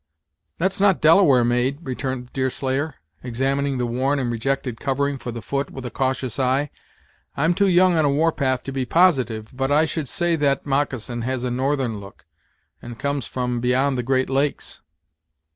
"That's not Delaware made," returned Deerslayer, examining the worn and rejected covering for the foot with a cautious eye. "I'm too young on a war path to be positive, but I should say that moccasin has a northern look, and comes from beyond the Great Lakes."